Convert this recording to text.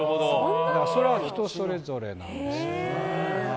それは人それぞれなんです。